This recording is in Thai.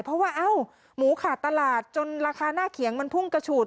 เพราะว่าเอ้าหมูขาดตลาดจนราคาหน้าเขียงมันพุ่งกระฉูด